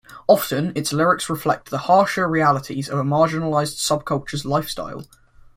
Often its lyrics reflect the harsher realities of a marginalized subculture's lifestyle.